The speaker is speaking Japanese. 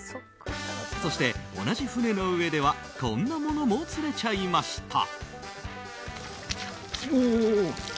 そして、同じ船の上ではこんなものも釣れちゃいました。